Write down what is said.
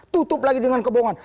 tutup lagi dengan kebohongan